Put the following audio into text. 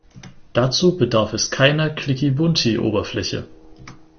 Dazu bedarf es keiner klickibunti Oberfläche.